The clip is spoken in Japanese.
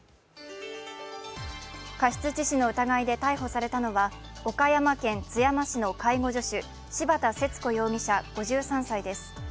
過失致死の疑いで逮捕されたのは岡山県津山市の介護助手、柴田節子容疑者５３歳です。